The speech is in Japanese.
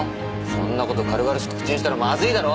そんな事軽々しく口にしたらまずいだろ！